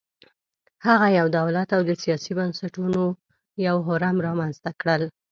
هغه یو دولت او د سیاسي بنسټونو یو هرم رامنځته کړل